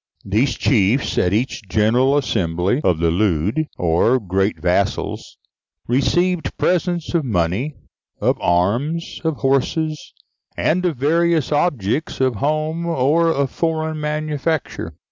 These chiefs, at each general assembly of the Leudes, or great vassals, received presents of money, of arms, of horses, and of various objects of home or of foreign manufacture.